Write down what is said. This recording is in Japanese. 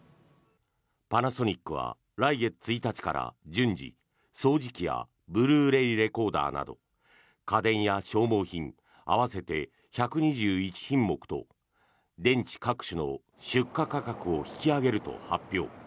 パナソニックは来月１日から順次、掃除機やブルーレイレコーダーなど家電や消耗品合わせて１２１品目と電池各種の出荷価格を引き上げると発表。